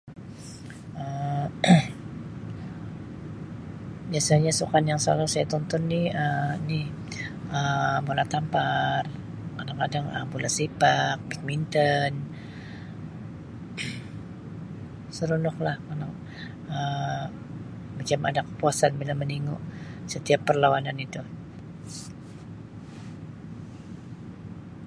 Um Biasanya sukan yang selalu saya tonton ni Um ni Um bola tampar, kadang-kadang Um bola sepak badminton seronok lah anu Um macam ada kepuasan bila meningu setiap perlawanan itu.